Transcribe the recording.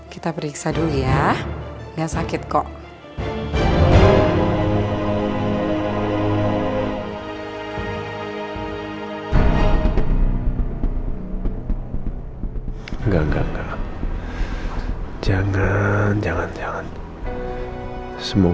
jadi saya harus melakukan pemeriksaan dengan usg